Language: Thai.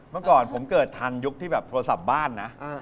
เมื่อก่อนผมเกิดทันยุคที่แบบโทรศัพท์บ้านนะ